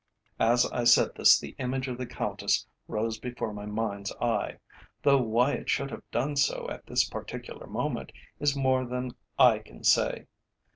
As I said this the image of the Countess rose before my mind's eye, though why it should have done so at this particular moment is more than I can say.